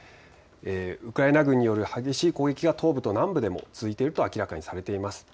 ウクライナ軍による激しい攻撃が東部と南部でも続いていると明らかにされています。